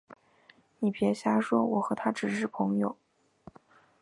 你别瞎说，我和他只是朋友